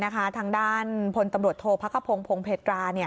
ทางด้านพลตำรวจโทษพระกระพงษ์พงศ์เผ็ดรา